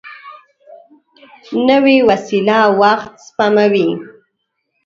نوې وسېله وخت سپموي